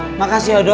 iya makasih ya dok